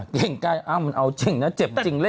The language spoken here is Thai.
ดิจริงกล้าเอาจริงนะเจ็บจริงเล่น